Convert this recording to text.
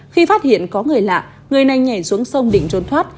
khi phát hiện có người lạ người này nhảy xuống sông định trốn thoát